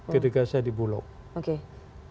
ketika saya di bulog